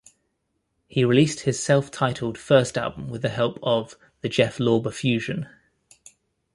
He released his self-titled first album with the help of The Jeff Lorber Fusion.